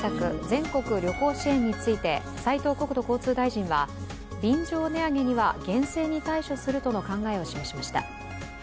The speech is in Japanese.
・全国旅行支援について斉藤国土交通大臣は便乗値上げには厳正に対処するとの考えを示しました。